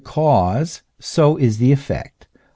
cause, so is the effect.